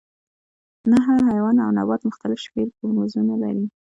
نه هر حیوان او نبات مختلف شمیر کروموزومونه لري